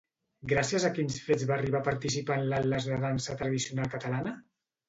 Gràcies a quins fets va arribar a participar en l'Atles de dansa tradicional catalana?